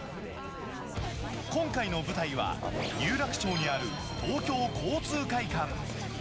今回の舞台は、有楽町にある東京交通会館。